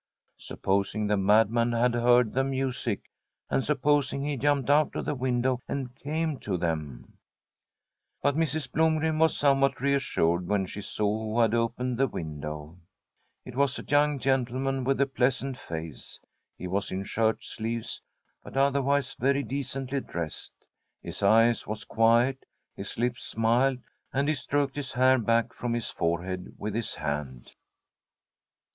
Supposing the madman had heard the music, and supposing he jumped out of the window and came to them ? But Mrs. Blomgren was somewhat reassured The STORY of a COUNTRY HOUSE when she saw who had opened the window. It was a young gentleman with a pleasant face. He was in shirt sleeves, but otherwise very decently dressed. His eye was quiet, his lips smiled, and he stroked his hair back from his forehead with his hand.